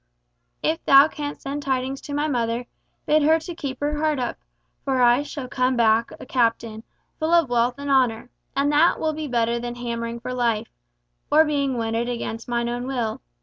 "If thou canst send tidings to my mother, bid her keep her heart up, for I shall come back a captain, full of wealth and honour, and that will be better than hammering for life—or being wedded against mine own will.